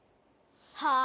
はあ？